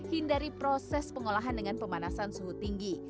hindari proses pengolahan dengan pemanasan suhu tinggi